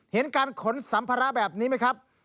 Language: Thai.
เห็นการขนสัมภาระแบบนี้ไหมครับ